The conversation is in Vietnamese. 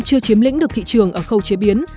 chưa chiếm lĩnh được thị trường ở khâu chế biến